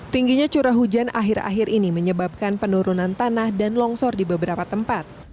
tingginya curah hujan akhir akhir ini menyebabkan penurunan tanah dan longsor di beberapa tempat